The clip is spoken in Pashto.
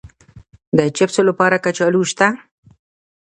د چپسو لپاره کچالو شته؟